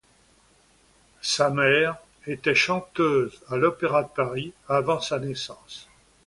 Sa mère était chanteuse à l'Opéra de Paris avant sa naissance.